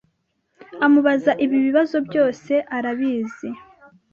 amubaza ibi bibazo byose, arabizi?